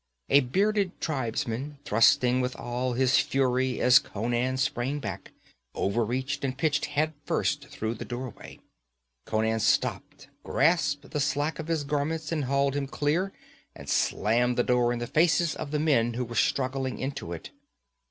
A bearded tribesman, thrusting with all his fury as Conan sprang back, overreached and pitched head first through the doorway. Conan stopped, grasped the slack of his garments and hauled him clear, and slammed the door in the faces of the men who came surging into it.